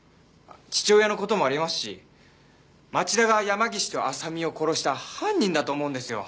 父親の事もありますし町田が山岸と浅見を殺した犯人だと思うんですよ。